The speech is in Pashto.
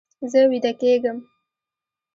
زه ویده کیږم